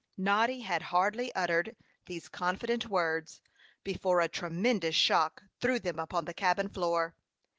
Noddy had hardly uttered these confident words, before a tremendous shock threw them upon the cabin floor.